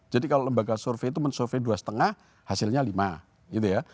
kalau lembaga survei itu mensurvey dua lima hasilnya lima gitu ya